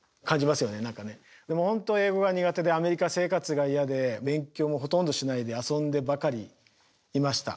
でも本当英語が苦手でアメリカ生活が嫌で勉強もほとんどしないで遊んでばかりいました。